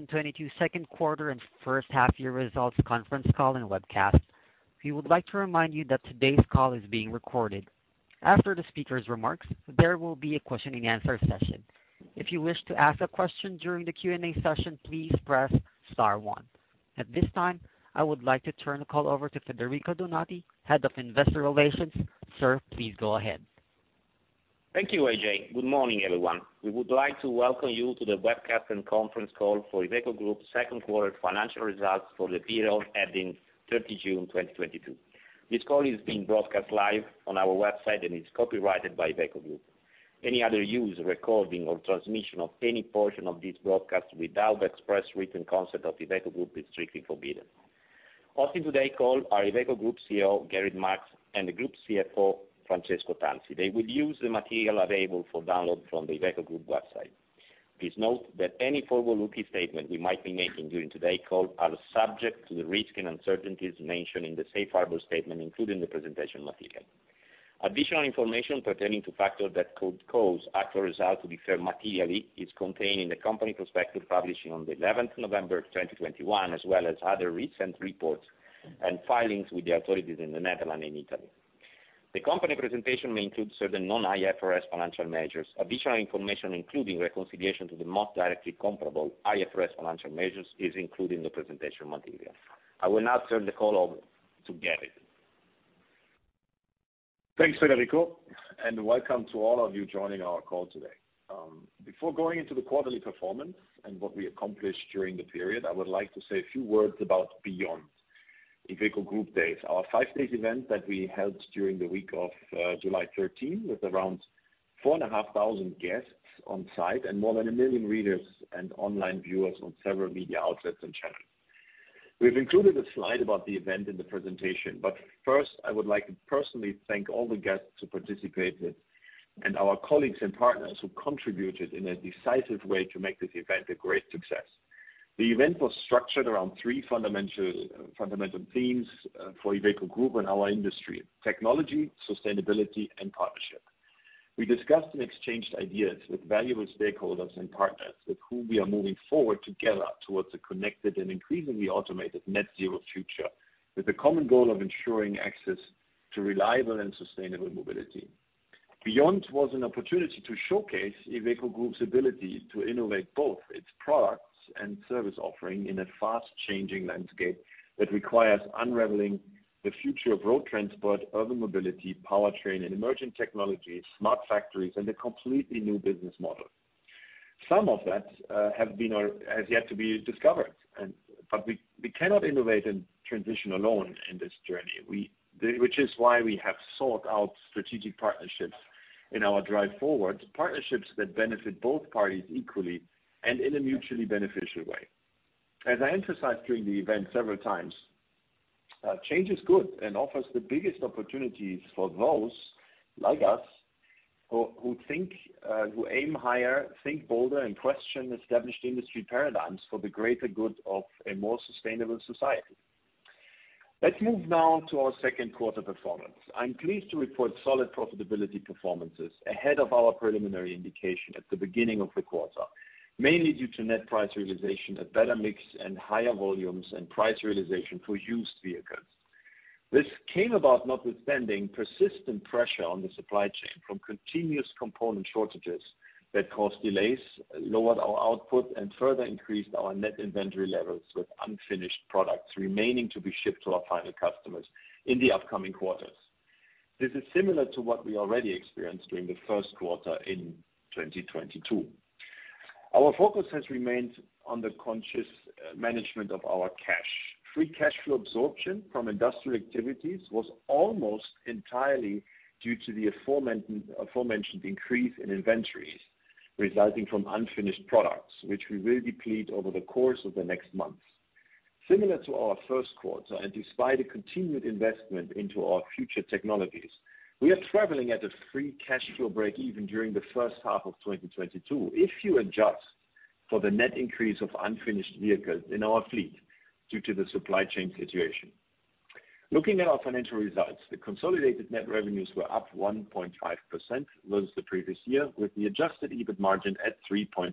2022 second quarter and first half year results conference call and webcast. We would like to remind you that today's call is being recorded. After the speaker's remarks, there will be a question-and-answer session. If you wish to ask a question during the Q&A session, please press star one. At this time, I would like to turn the call over to Federico Donati, Head of Investor Relations. Sir, please go ahead. Thank you, AJ. Good morning, everyone. We would like to welcome you to the webcast and conference call for Iveco Group second quarter financial results for the period ending 30 June 2022. This call is being broadcast live on our website and is copyrighted by Iveco Group. Any other use, recording, or transmission of any portion of this broadcast without the express written consent of Iveco Group is strictly forbidden. Hosting today's call are our Iveco Group CEO, Gerrit Marx, and the group CFO, Francesco Tanzi. They will use the material available for download from the Iveco Group website. Please note that any forward-looking statement we might be making during today's call are subject to the risks and uncertainties mentioned in the safe harbor statement included in the presentation material. Additional information pertaining to factors that could cause actual results to be materially different is contained in the company prospectus published on November, 2021, as well as other recent reports and filings with the authorities in the Netherlands and Italy. The company presentation may include certain non-IFRS financial measures. Additional information, including reconciliation to the most directly comparable IFRS financial measures, is included in the presentation material. I will now turn the call over to Gerrit. Thanks, Federico, and welcome to all of you joining our call today. Before going into the quarterly performance and what we accomplished during the period, I would like to say a few words about BEYOND Iveco Group Days, our five-day event that we held during the week of July 13, with around 4,500 guests on site and more than 1 million readers and online viewers on several media outlets and channels. We've included a slide about the event in the presentation, but first, I would like to personally thank all the guests who participated and our colleagues and partners who contributed in a decisive way to make this event a great success. The event was structured around three fundamental themes for Iveco Group and our industry, technology, sustainability, and partnership. We discussed and exchanged ideas with valuable stakeholders and partners with whom we are moving forward together towards a connected and increasingly automated net zero future, with the common goal of ensuring access to reliable and sustainable mobility. BEYOND was an opportunity to showcase Iveco Group's ability to innovate both its products and service offering in a fast changing landscape that requires unraveling the future of road transport, urban mobility, powertrain and emerging technologies, smart factories, and a completely new business model. Some of that have been or has yet to be discovered, but we cannot innovate and transition alone in this journey. Which is why we have sought out strategic partnerships in our drive forward, partnerships that benefit both parties equally and in a mutually beneficial way. As I emphasized during the event several times, change is good and offers the biggest opportunities for those, like us, who aim higher, think bolder, and question established industry paradigms for the greater good of a more sustainable society. Let's move now to our second quarter performance. I'm pleased to report solid profitability performances ahead of our preliminary indication at the beginning of the quarter, mainly due to net price realization, a better mix and higher volumes and price realization for used vehicles. This came about notwithstanding persistent pressure on the supply chain from continuous component shortages that caused delays, lowered our output, and further increased our net inventory levels with unfinished products remaining to be shipped to our final customers in the upcoming quarters. This is similar to what we already experienced during the first quarter in 2022. Our focus has remained on the conscious management of our cash. Free cash flow absorption from industrial activities was almost entirely due to the aforementioned increase in inventories resulting from unfinished products, which we will deplete over the course of the next months. Similar to our first quarter, and despite a continued investment into our future technologies, we are traveling at a free cash flow break even during the first half of 2022, if you adjust for the net increase of unfinished vehicles in our fleet due to the supply chain situation. Looking at our financial results, the consolidated net revenues were up 1.5% versus the previous year, with the adjusted EBIT margin at 3.5%.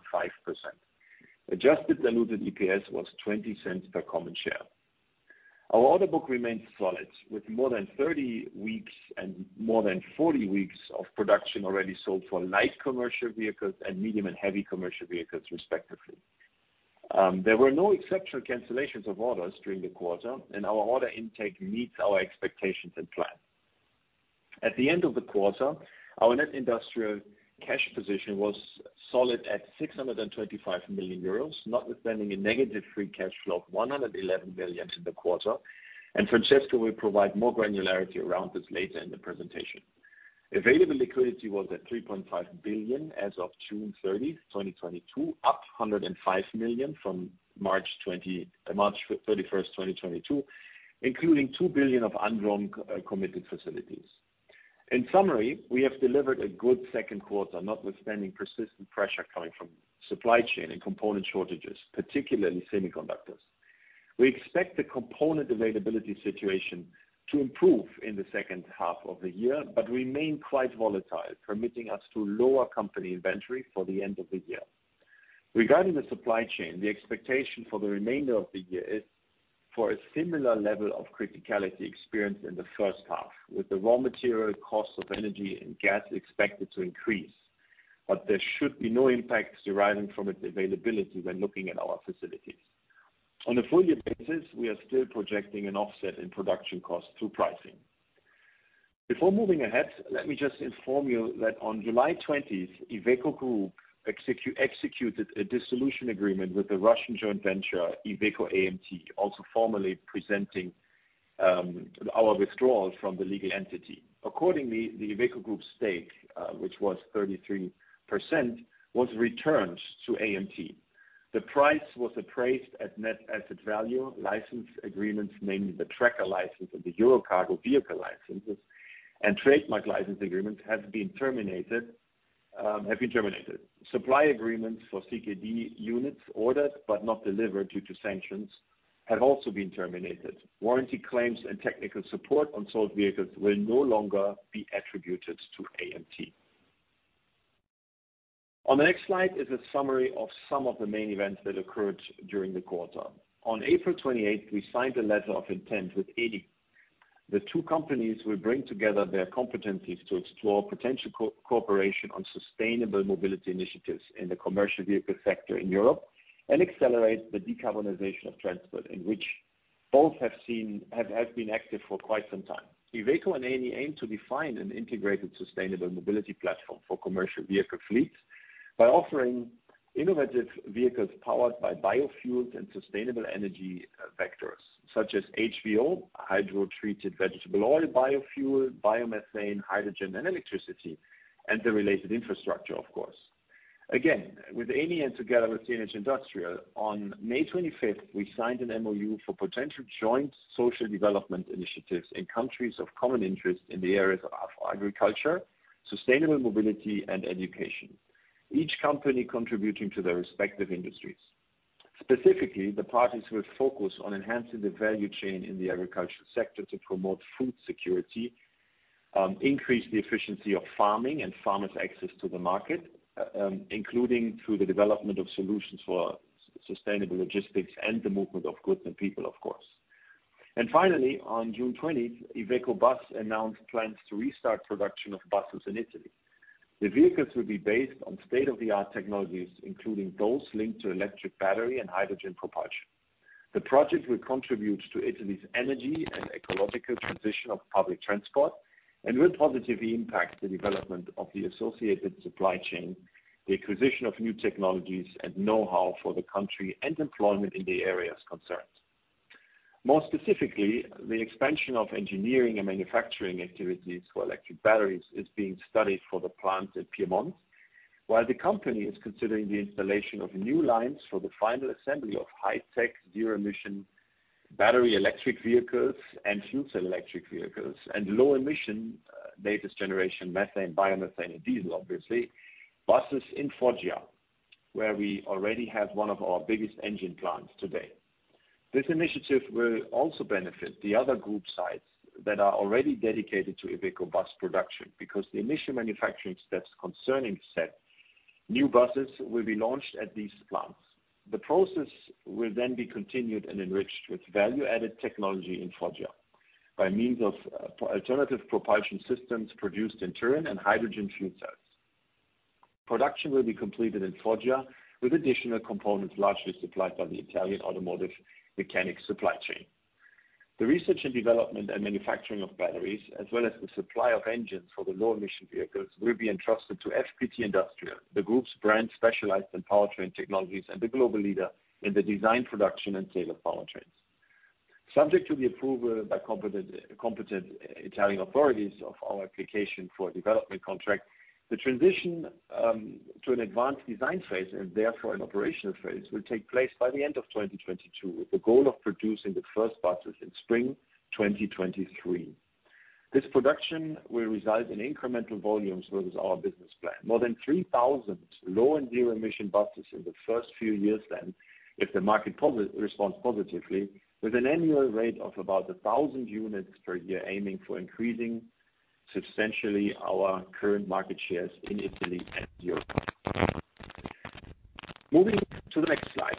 Adjusted diluted EPS was 0.20 EUR per common share. Our order book remains solid, with more than 30 weeks and more than 40 weeks of production already sold for light commercial vehicles and medium and heavy commercial vehicles, respectively. There were no exceptional cancellations of orders during the quarter, and our order intake meets our expectations and plan. At the end of the quarter, our net industrial cash position was solid at 625 million euros, not withstanding a negative free cash flow of 111 million in the quarter. Francesco will provide more granularity around this later in the presentation. Available liquidity was at 3.5 billion as of June 30, 2022, up 105 million from March 31st, 2022, including 2 billion of undrawn committed facilities. In summary, we have delivered a good second quarter, notwithstanding persistent pressure coming from supply chain and component shortages, particularly semiconductors. We expect the component availability situation to improve in the second half of the year, but remain quite volatile, permitting us to lower company inventory for the end of the year. Regarding the supply chain, the expectation for the remainder of the year is for a similar level of criticality experience in the first half, with the raw material costs of energy and gas expected to increase. There should be no impacts deriving from its availability when looking at our facilities. On a full year basis, we are still projecting an offset in production costs through pricing. Before moving ahead, let me just inform you that on July 20, Iveco Group executed a dissolution agreement with the Russian joint venture, Iveco-AMT, also formally presenting our withdrawal from the legal entity. Accordingly, the Iveco Group stake, which was 33%, was returned to AMT. The price was appraised at net asset value. License agreements, namely the trademark license of the Eurocargo vehicle licenses and trademark license agreements have been terminated. Supply agreements for CKD units ordered but not delivered due to sanctions have also been terminated. Warranty claims and technical support on sold vehicles will no longer be attributed to AMT. On the next slide is a summary of some of the main events that occurred during the quarter. On April 28, we signed a letter of intent with Eni. The two companies will bring together their competencies to explore potential cooperation on sustainable mobility initiatives in the commercial vehicle sector in Europe and accelerate the decarbonization of transport, in which both have been active for quite some time. Iveco and Eni aim to define an integrated, sustainable mobility platform for commercial vehicle fleets by offering innovative vehicles powered by biofuels and sustainable energy vectors such as HVO, Hydrotreated Vegetable Oil, biofuel, biomethane, hydrogen and electricity, and the related infrastructure, of course. Again, with Eni and together with CNH Industrial, on May 25, we signed an MOU for potential joint social development initiatives in countries of common interest in the areas of agriculture, sustainable mobility and education. Each company contributing to their respective industries. Specifically, the parties will focus on enhancing the value chain in the agriculture sector to promote food security, increase the efficiency of farming and farmers access to the market, including through the development of solutions for sustainable logistics and the movement of goods and people, of course. Finally, on June 20th, Iveco Bus announced plans to restart production of buses in Italy. The vehicles will be based on state-of-the-art technologies, including those linked to electric battery and hydrogen propulsion. The project will contribute to Italy's energy and ecological transition of public transport and will positively impact the development of the associated supply chain, the acquisition of new technologies and know-how for the country and employment in the areas concerned. More specifically, the expansion of engineering and manufacturing activities for electric batteries is being studied for the plant in Piedmont, while the company is considering the installation of new lines for the final assembly of high-tech, zero-emission battery electric vehicles and fuel cell electric vehicles and low emission, latest generation methane, biomethane and diesel, obviously, buses in Foggia, where we already have one of our biggest engine plants today. This initiative will also benefit the other group sites that are already dedicated to Iveco Bus production. Because the initial manufacturing steps concerning said new buses will be launched at these plants. The process will then be continued and enriched with value-added technology in Foggia by means of, alternative propulsion systems produced in Turin and hydrogen fuel cells. Production will be completed in Foggia, with additional components largely supplied by the Italian Automotive Mechanic supply chain. The research and development and manufacturing of batteries, as well as the supply of engines for the low emission vehicles, will be entrusted to FPT Industrial, the group's brand specialized in powertrain technologies and the global leader in the design, production and sale of powertrains. Subject to the approval by competent Italian authorities of our application for a development contract, the transition to an advanced design phase, and therefore an operational phase, will take place by the end of 2022, with the goal of producing the first buses in spring 2023. This production will result in incremental volumes versus our business plan. More than 3,000 low and zero emission buses in the first few years then, if the market responds positively with an annual rate of about 1,000 units per year, aiming for increasing substantially our current market shares in Italy and Europe. Moving to the next slide.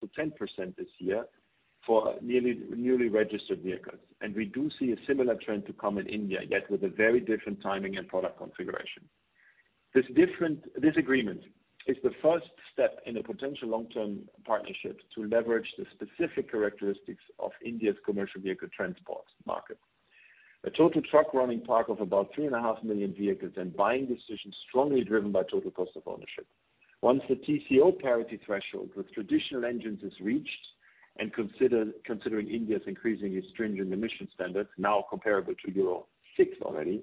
To 10% this year for nearly newly registered vehicles. We do see a similar trend to come in India, yet with a very different timing and product configuration. This agreement is the first step in a potential long-term partnership to leverage the specific characteristics of India's commercial vehicle transport market. A total truck running park of about 3.5 million vehicles, and buying decisions strongly driven by total cost of ownership. Once the TCO parity threshold with traditional engines is reached and considering India's increasingly stringent emission standards, now comparable to Euro 6 already,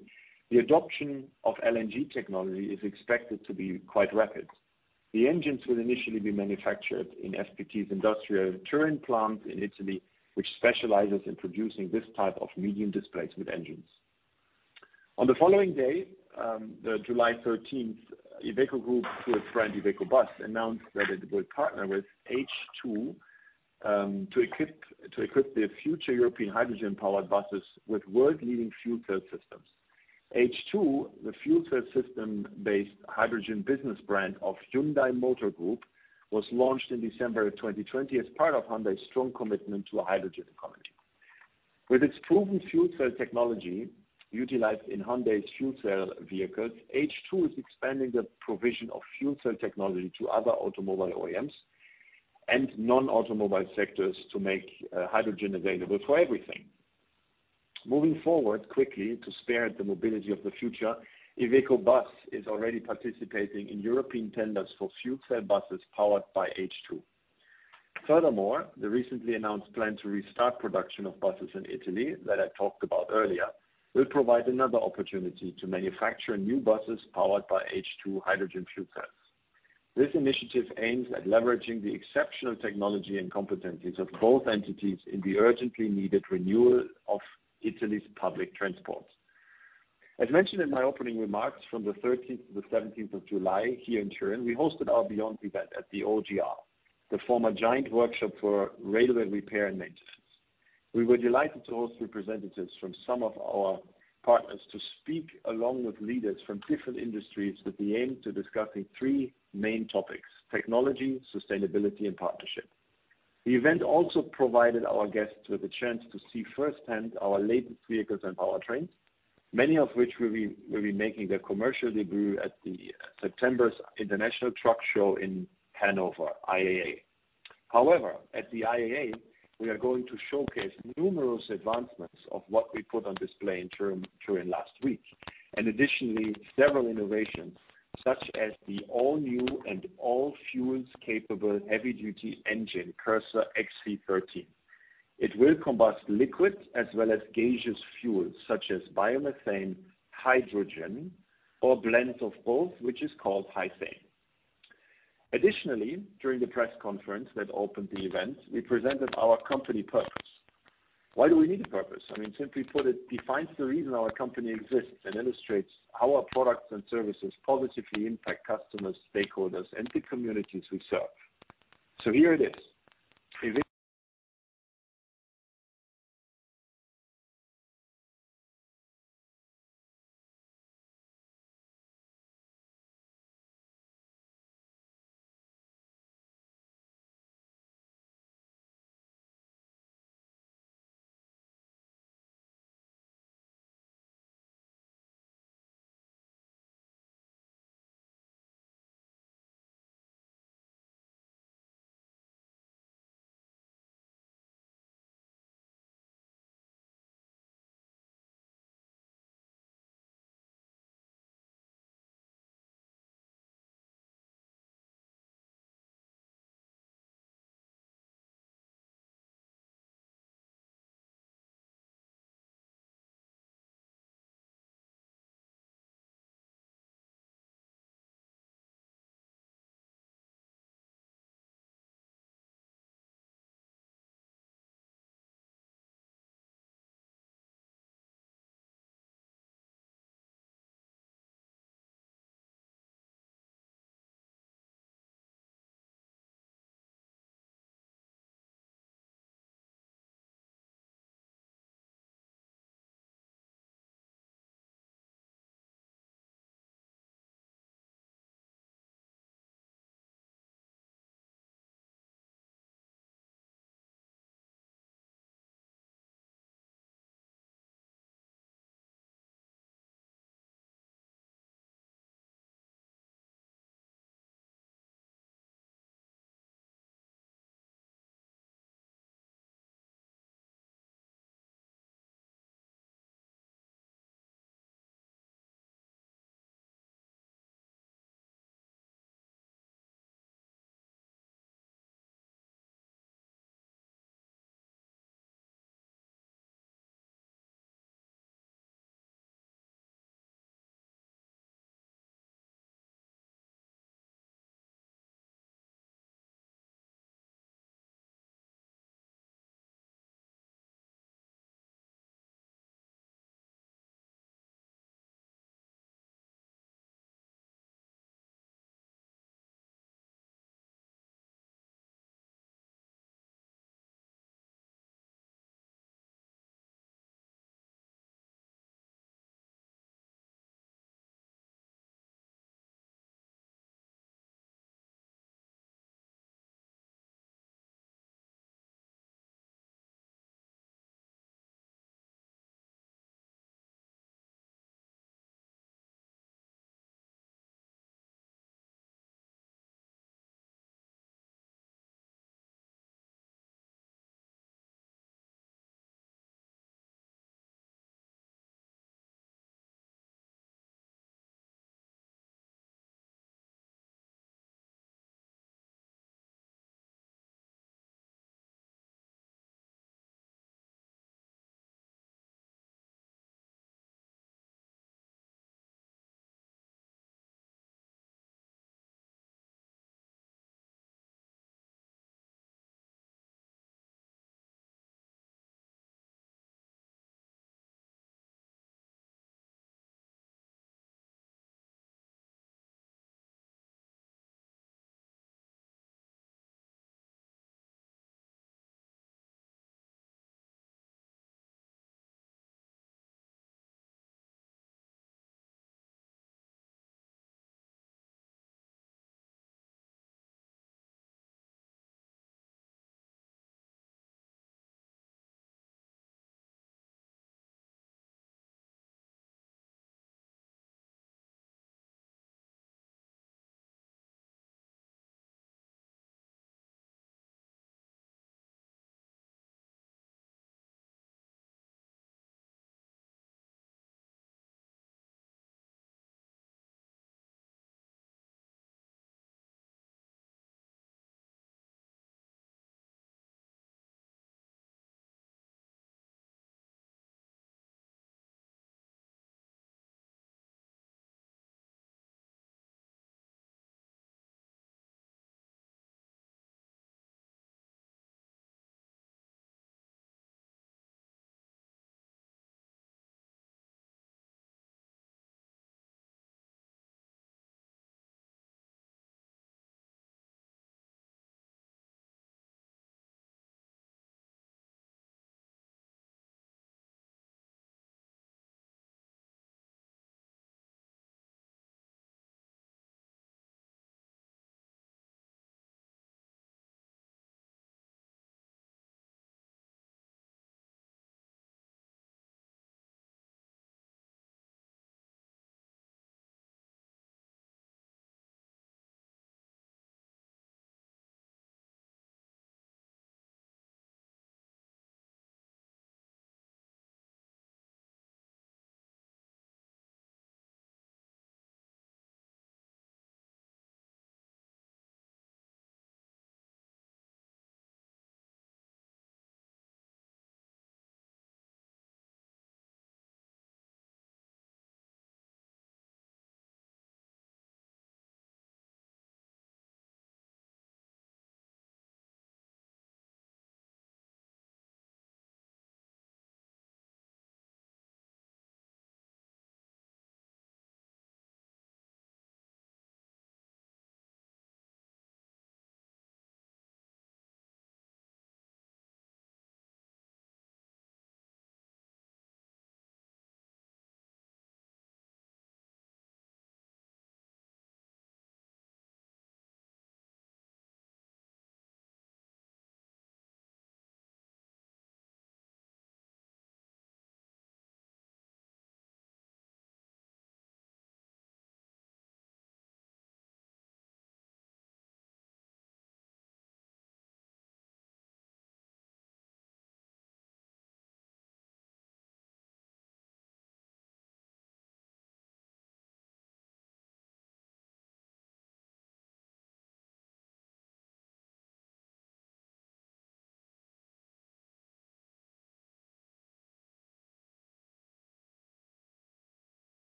the adoption of LNG technology is expected to be quite rapid. The engines will initially be manufactured in FPT Industrial's Turin plant in Italy, which specializes in producing this type of medium displacement engines. On the following day, July 13th, Iveco Group and Iveco Bus announced that it would partner with HTWO to equip their future European hydrogen-powered buses with world-leading fuel cell systems. HTWO, the fuel cell system-based hydrogen business brand of Hyundai Motor Group, was launched in December of 2020 as part of Hyundai's strong commitment to a hydrogen economy. With its proven fuel cell technology utilized in Hyundai's fuel cell vehicles, HTWO is expanding the provision of fuel cell technology to other automobile OEMs and non-automobile sectors to make hydrogen available for everything. Moving forward quickly to shape the mobility of the future, Iveco Bus is already participating in European tenders for fuel cell buses powered by HTWO. Furthermore, the recently announced plan to restart production of buses in Italy that I talked about earlier, will provide another opportunity to manufacture new buses powered by HTWO hydrogen fuel cells. This initiative aims at leveraging the exceptional technology and competencies of both entities in the urgently needed renewal of Italy's public transport. As mentioned in my opening remarks from the 13th to the 17th of July here in Turin, we hosted our BEYOND event at the OGR, the former giant workshop for railway repair and maintenance. We were delighted to host representatives from some of our partners to speak along with leaders from different industries with the aim to discussing three main topics, technology, sustainability, and partnership. The event also provided our guests with a chance to see firsthand our latest vehicles and power trains, many of which will be making their commercial debut at the September's International Truck Show in Hanover, IAA. However, at the IAA, we are going to showcase numerous advancements of what we put on display in Turin last week. Additionally, several innovations such as the all new and all fuels capable heavy-duty engine Cursor XC13. It will combust liquids as well as gaseous fuels such as biomethane, hydrogen, or blends of both, which is called Hythane. Additionally, during the press conference that opened the event, we presented our company purpose. Why do we need a purpose? I mean, simply put, it defines the reason our company exists and illustrates how our products and services positively impact customers, stakeholders, and the communities we serve. Here it is.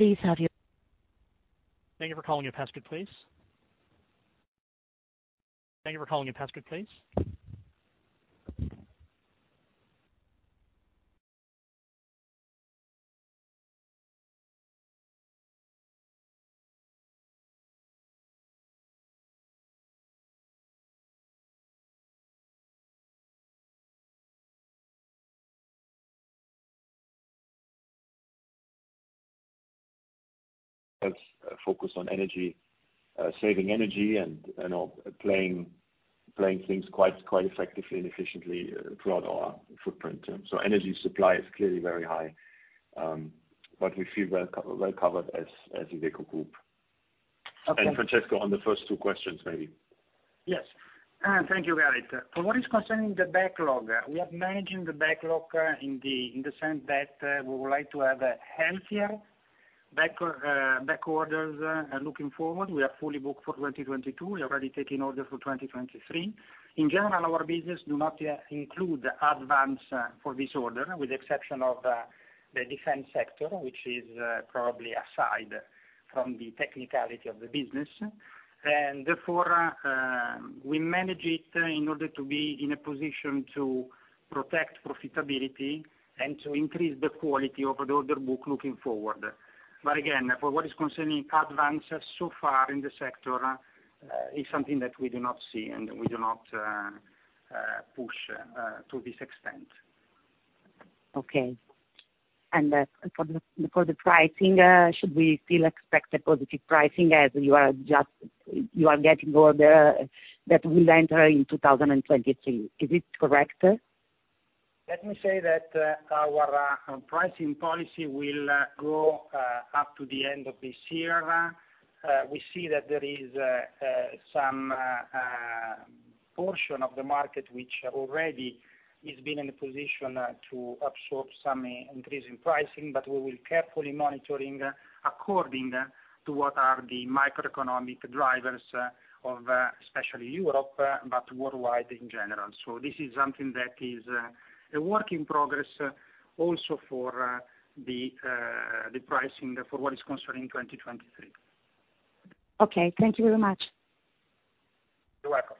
Iveco- Please have your. Thank you for calling. Your password please. Has focused on energy, saving energy and, you know, playing things quite effectively and efficiently throughout our footprint. Energy supply is clearly very high, but we feel well covered as Iveco Group. Okay. Francesco, on the first two questions, maybe. Yes. Thank you, Gerrit. For what is concerning the backlog, we are managing the backlog in the sense that we would like to have a healthier back orders looking forward. We are fully booked for 2022. We are already taking orders for 2023. In general, our business do not yet include advance for this order, with the exception of the defense sector, which is probably aside from the technicality of the business. Therefore, we manage it in order to be in a position to protect profitability and to increase the quality of the order book looking forward. Again, for what is concerning advances so far in the sector is something that we do not see and we do not push to this extent. Okay. For the pricing, should we still expect positive pricing as you are getting order that will enter in 2023? Is it correct? Let me say that our pricing policy will go up to the end of this year. We see that there is some portion of the market which already has been in a position to absorb some increasing pricing, but we will be carefully monitoring according to the macroeconomic drivers, especially of Europe, but worldwide in general. This is something that is a work in progress also for the pricing for what concerns 2023. Okay. Thank you very much. You're welcome.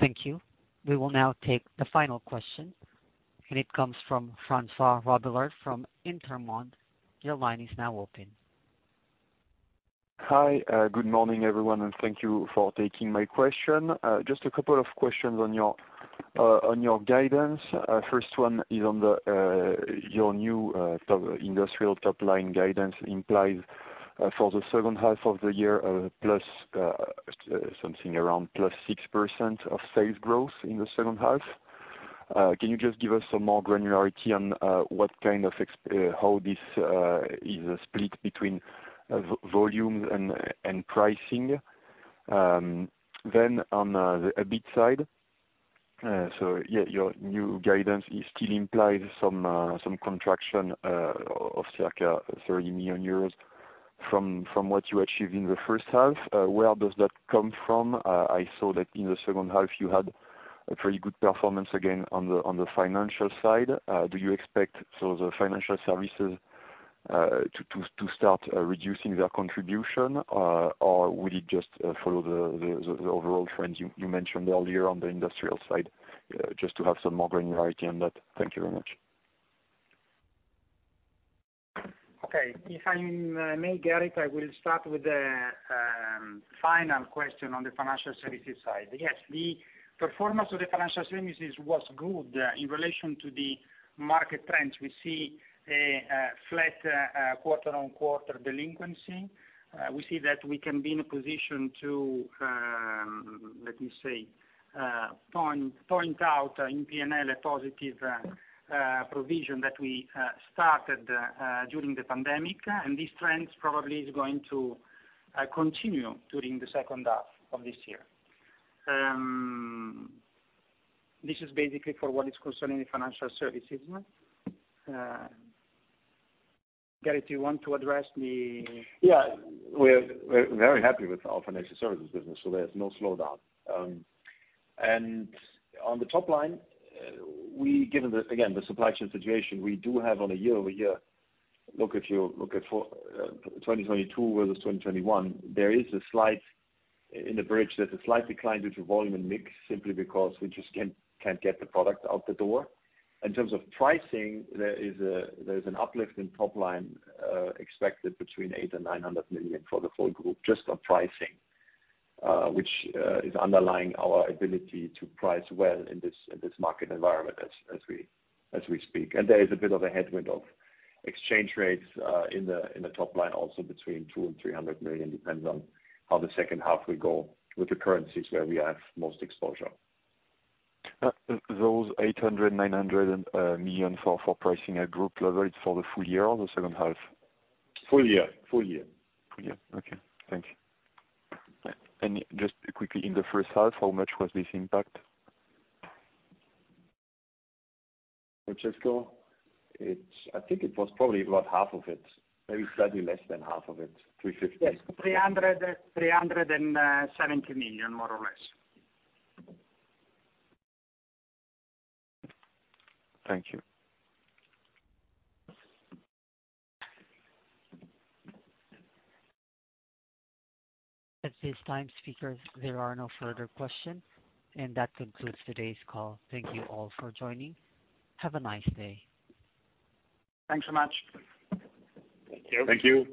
Thank you. We will now take the final question, and it comes from Martino De Ambroggi from Intermonte. Your line is now open. Hi. Good morning, everyone, and thank you for taking my question. Just a couple of questions on your guidance. First one is on the your new top industrial top line guidance implies for the second half of the year plus something around plus 6% of sales growth in the second half. Can you just give us some more granularity on what kind of how this is split between volume and pricing? Then on the EBIT side, so yeah your new guidance is still implies some contraction of circa 30 million euros from what you achieved in the first half. Where does that come from? I saw that in the second half you had a very good performance again on the financial side. Do you expect, so the financial services to start reducing their contribution, or would it just follow the overall trends you mentioned earlier on the industrial side? Just to have some more granularity on that. Thank you very much. Okay. If I may, Gerrit, I will start with the final question on the financial services side. Yes, the performance of the financial services was good in relation to the market trends. We see a flat quarter-on-quarter delinquency. We see that we can be in a position to let me say point out in P&L a positive provision that we started during the pandemic. This trend probably is going to continue during the second half of this year. This is basically for what is concerning the financial services. Gerrit, do you want to address the. Yeah. We're very happy with our financial services business, so there is no slowdown. On the top line, given the supply chain situation, we do have on a year-over-year look at 2022 versus 2021, there is a slight, in the bridge, there's a slight decline due to volume and mix simply because we just can't get the product out the door. In terms of pricing, there is an uplift in top line expected between 800 million and 900 million for the full group just on pricing, which is underlying our ability to price well in this market environment as we speak. There is a bit of a headwind of exchange rates in the top line also between 200 million and 300 million, depends on how the second half will go with the currencies where we have most exposure. Those 800 million-900 million for pricing at group level is for the full year or the second half? Full year. Full year. Okay. Thank you. Just quickly, in the first half, how much was this impact? Francesco? It's, I think it was probably about half of it, maybe slightly less than half of it. 350 million. Yes. 370 million, more or less. Thank you. At this time, speakers, there are no further questions, and that concludes today's call. Thank you all for joining. Have a nice day. Thanks so much. Thank you. Thank you.